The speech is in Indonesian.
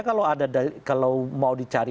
kalau mau dicari cari